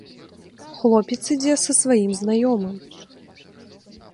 Хлопец ідзе са сваім знаёмым.